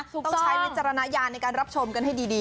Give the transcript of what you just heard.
ต้องใช้วิจารณญาณในการรับชมกันให้ดี